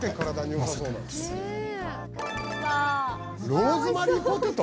ローズマリーポテト！？